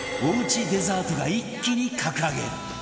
おうちデザートが一気に格上げ！